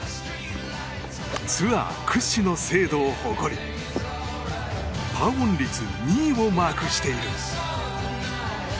ツアー屈指の精度を誇りパーオン率２位をマークしている。